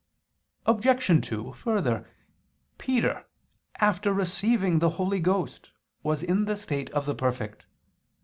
Obj. 2: Further, Peter, after receiving the Holy Ghost, was in the state of the perfect.